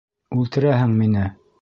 Үлтерәһең мине!